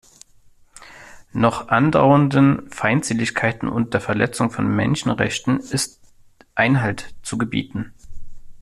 Noch andauernden Feindseligkeiten und der Verletzung von Menschenrechten ist Einhalt zu gebieten.